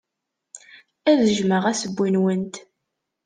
Ad jjmeɣ assewwi-nwent.